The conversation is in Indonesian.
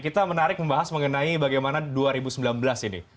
kita menarik membahas mengenai bagaimana dua ribu sembilan belas ini